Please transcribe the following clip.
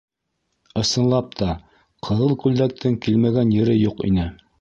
Ысынлап та, ҡыҙыл күлдәктең килмәгән ере юҡ ине.